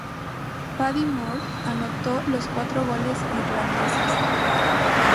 Paddy Moore anotó los cuatro goles irlandeses.